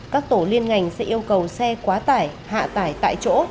các tổ liên ngành sẽ yêu cầu xe quá tải hạ tải tại chỗ